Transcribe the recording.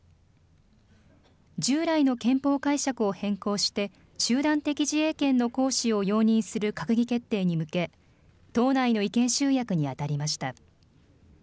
従来の憲法解釈を変更して、集団的自衛権の行使を容認する閣議決定に向け、党内の意見集約に当たりました。